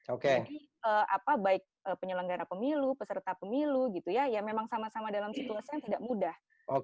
jadi apa baik penyelenggara pemilu peserta pemilu gitu ya ya memang sama sama dalam situasi yang tidak mudah